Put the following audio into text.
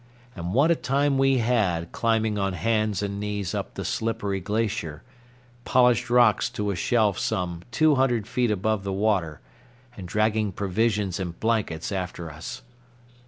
And what a time we had climbing on hands and knees up the slippery glacier polished rocks to a shelf some two hundred feet above the water and dragging provisions and blankets after us!